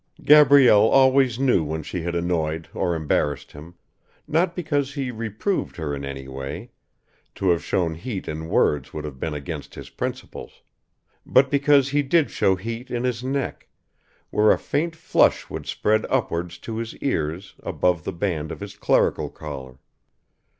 Gabrielle always knew when she had annoyed or embarrassed him, not because he reproved her in any way to have shown heat in words would have been against his principles but because he did show heat in his neck, where a faint flush would spread upwards to his ears above the band of his clerical collar.